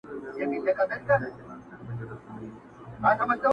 د دې نوي کفن کښ نوې نخره وه،